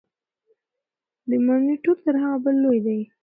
دا مانیټور تر هغه بل لوی دی.